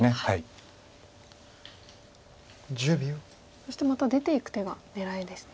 そしてまた出ていく手が狙いですね。